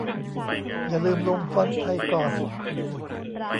อย่าลืมลงฟอนต์ไทยก่อน